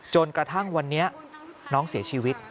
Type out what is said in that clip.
จนกระทั่งวันนี้น้องเสียชีวิต